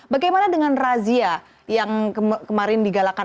bagaimana dengan razia yang kemarin digalakan